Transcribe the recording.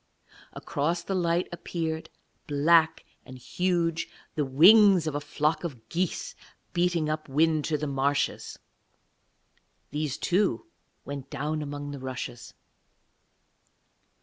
Across the light appeared, black and huge, the wings of a flock of geese beating up wind to the marshes. These, too, went down among the rushes.